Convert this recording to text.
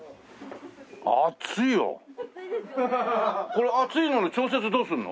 これ熱いのの調節どうするの？